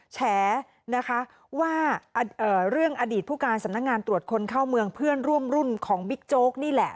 แฉนะคะว่าเรื่องอดีตผู้การสำนักงานตรวจคนเข้าเมืองเพื่อนร่วมรุ่นของบิ๊กโจ๊กนี่แหละ